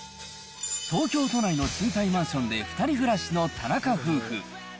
東京都内の賃貸マンションで２人暮らしの田中夫婦。